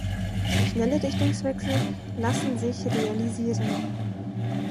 Schnelle Richtungswechsel lassen sich realisieren.